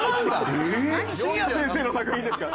晋也先生の作品ですか？